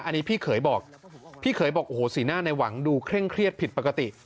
อันนี้พี่เขยบอกพี่เขยบอกโอ้โหสีหน้าในหวังดูเคร่งเครียดผิดปกติ